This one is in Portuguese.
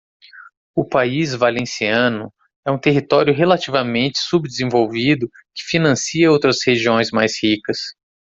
O País Valenciano é um território relativamente subdesenvolvido que financia outras regiões mais ricas.